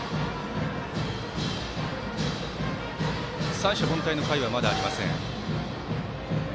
三者凡退の回は、まだありません。